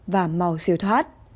và màu siêu thoát